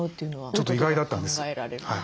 ちょっと意外だったんです。